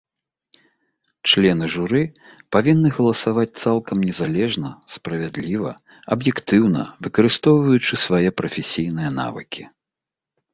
Члены журы павінны галасаваць цалкам незалежна, справядліва, аб'ектыўна, выкарыстоўваючы свае прафесійныя навыкі.